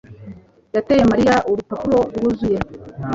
yateye Mariya urupapuro rwuzuye.